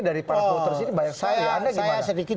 dari para pemerintah ini banyak saya sedikit